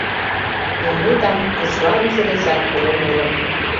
Элнет аҥ кечывалымсе дечат кугун урын.